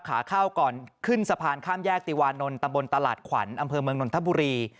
ขาเข้าก่อนขึ้นสะพานข้ามแยกติวานนท์ตำบลตลาดขวัญอำเภอเมืองนนทบุรี